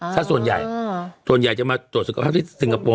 ถ้าส่วนใหญ่ส่วนใหญ่จะมาตรวจสุขภาพที่สิงคโปร์